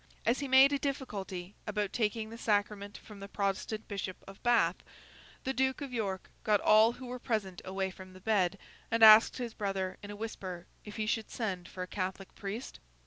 As he made a difficulty about taking the sacrament from the Protestant Bishop of Bath, the Duke of York got all who were present away from the bed, and asked his brother, in a whisper, if he should send for a Catholic priest?